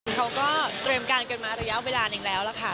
เขาก็เตรียมการเกิดมาระยะเอาเวลาเองแล้วค่ะ